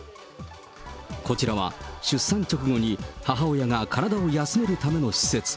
こちらは出産直後に母親が体を休めるための施設。